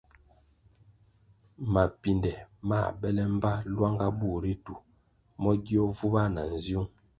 Mapinde mā bele mbpa lwanga bur ritu mo gio vubah na nziung.